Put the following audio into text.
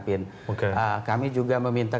pin kami juga meminta